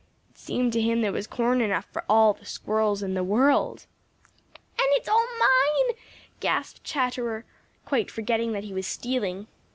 It seemed to him there was corn enough for all the Squirrels in the world. "And it's all mine!" gasped Chatterer, quite forgetting that he was stealing.